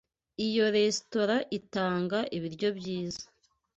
Iyo resitora itanga ibiryo byiza.